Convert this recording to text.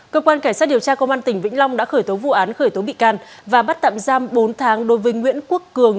cơ quan cảnh sát điều tra công an tỉnh vĩnh long đã khởi tố vụ án khởi tố bị can và bắt tạm giam bốn tháng đối với nguyễn quốc cường